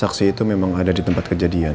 saksi itu memang ada di tempat kejadian